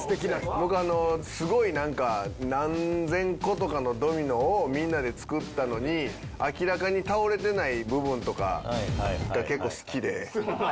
僕あのすごい何千個とかのドミノをみんなで作ったのに明らかに倒れてない部分とかが結構好きで。